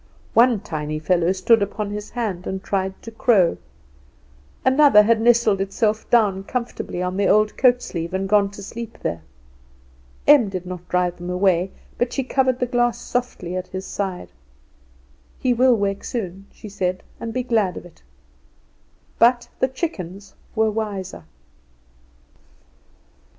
One tiny fellow stood upon his hand, and tried to crow; another had nestled itself down comfortably on the old coat sleeve and gone to sleep there. Em did not drive them away; but she covered the glass softly at his side. "He will wake soon," she said, "and be glad of it." But the chickens were wiser.